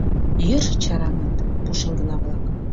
Йӧршын чараҥыт пушеҥгына-влак.